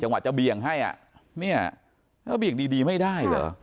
จังหวะจะเบียงให้อ่ะเนี่ยเอ้าเบียงดีดีไม่ได้เหรอ